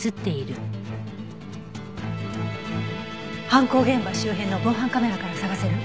犯行現場周辺の防犯カメラから捜せる？